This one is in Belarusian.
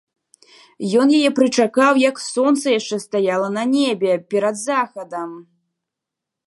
Ён яе прычакаў, як сонца яшчэ стаяла на небе, перад захадам.